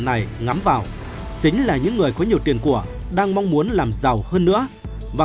này ngắm vào chính là những người có nhiều tiền của đang mong muốn làm giàu hơn nữa và